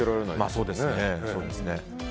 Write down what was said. そうですね。